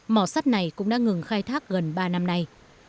mỏ sắt này cũng đã ngừng khai thác gần ba năm nay